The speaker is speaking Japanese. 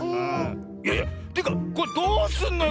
いやいやというかこれどうすんのよ